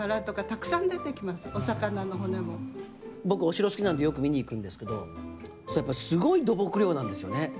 僕お城好きなんでよく見に行くんですけどやっぱすごい土木量なんですよね。